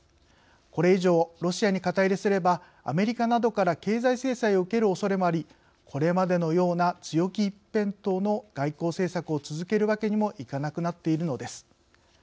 これ以上、ロシアに肩入れすればアメリカなどから経済制裁を受けるおそれもありこれまでのような強気一辺倒の外交政策を続けるわけにもいかなくなっているのです。